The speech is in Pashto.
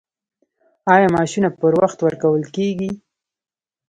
آیا معاشونه پر وخت ورکول کیږي؟